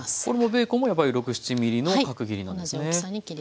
これもベーコンもやっぱり６７ｍｍの角切りなんですね？